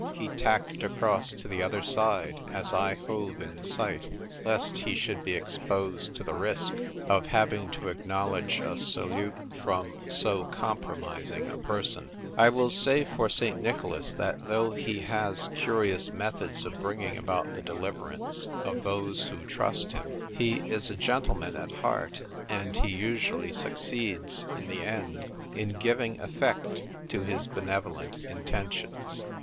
He tacked across to the other side as I hove in sight lest he should be exposed to the risk of having to acknowledge a salute from so compromising a person I will say for St. Nicholas that though he has curious methods of bringing about the deliverance of those who trust him, he is a gentleman at heart, and he usually succeeds in the end in giving efl'ect to his benevolent intentions.